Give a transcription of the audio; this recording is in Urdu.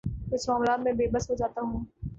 کچھ معاملات میں بے بس ہو جاتا ہوں